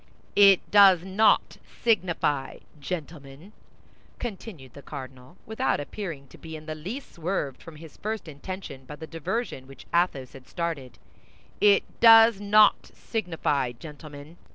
"It does not signify, gentlemen," continued the cardinal, without appearing to be in the least swerved from his first intention by the diversion which Athos had started, "it does not signify, gentlemen.